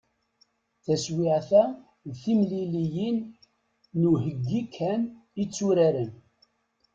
Taswiɛt-a, d timliliyin n uheggi kan i tturaren.